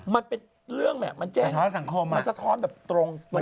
มันเป็นเรื่องแหมมันเจ่งมันสะท้อนแบบตรงตัว